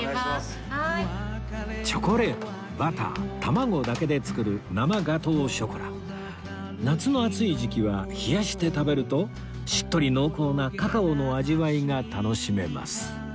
チョコレートバター卵だけで作る生ガトーショコラ夏の暑い時期は冷やして食べるとしっとり濃厚なカカオの味わいが楽しめます